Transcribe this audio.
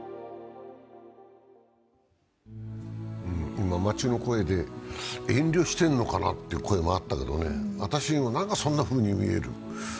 今、街の声で遠慮してるのかなって言う声があったけどね、私もなんかそんなふうに見える。